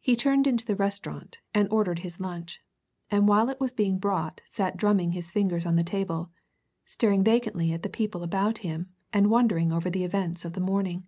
He turned into the restaurant and ordered his lunch, and while it was being brought sat drumming his fingers on the table, staring vacantly at the people about him and wondering over the events of the morning.